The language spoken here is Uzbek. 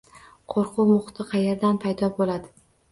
Qo‘rquv muhiti qayerdan paydo bo‘ladi?